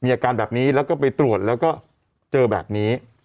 อาการแบบนี้แล้วก็ไปตรวจแล้วก็เจอแบบนี้